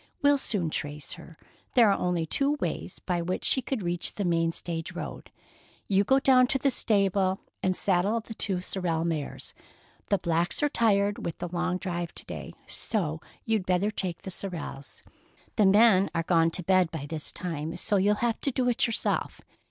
We'll soon trace her. There are only two ways by which she could reach the main stage road. You go down to the stable and saddle the two sorrel mares. The blacks are tired with the long drive to day, so you'd better take the sorrels. The men are all gone to bed by this time, so you'll have to do it yourself.